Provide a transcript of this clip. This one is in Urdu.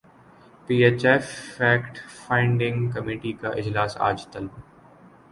پی H F fact finding committee کا اجلاس اج طلب